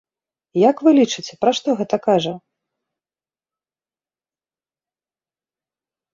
Як вы лічыце, пра што гэта кажа?